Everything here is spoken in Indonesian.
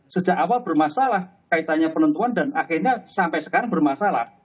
sejak awal bermasalah kaitannya penentuan dan akhirnya sampai sekarang bermasalah